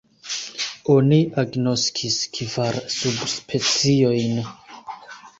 Oni agnoskis kvar subspeciojn.